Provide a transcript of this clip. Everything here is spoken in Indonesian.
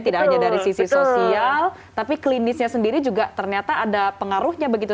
tidak hanya dari sisi sosial tapi klinisnya sendiri juga ternyata ada pengaruhnya begitu